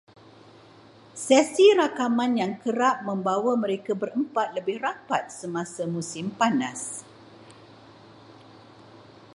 Sesi rakaman yang kerap membawa mereka berempat lebih rapat semasa musim panas